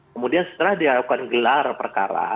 kemudian setelah dia akan gelar perkara